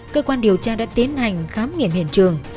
cơ quan điều tra đã tiến hành khám nghiệm hiện trường